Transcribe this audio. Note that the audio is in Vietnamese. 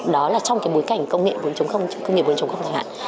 đó là trong bối cảnh công nghệ bốn công nghệ bốn thời hạn